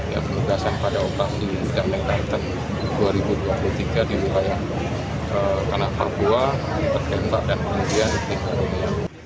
yang penugasan pada opasi yang mengaitkan dua ribu dua puluh tiga di wilayah kanak papua bertembak dan penjajah di tenggara nia